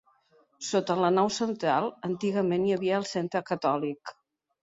Sota la nau central, antigament hi havia el centre catòlic.